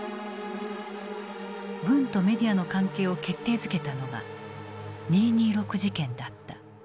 軍とメディアの関係を決定づけたのが二・二六事件だった。